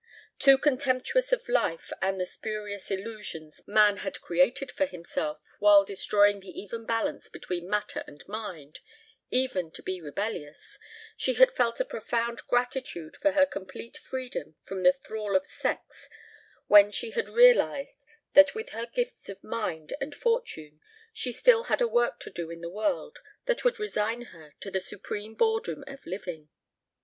Too contemptuous of life and the spurious illusions man had created for himself, while destroying the even balance between matter and mind, even to be rebellious, she had felt a profound gratitude for her complete freedom from the thrall of sex when she had realized that with her gifts of mind and fortune she still had a work to do in the world that would resign her to the supreme boredom of living.